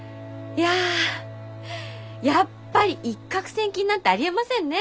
いややっぱり一獲千金なんてありえませんね！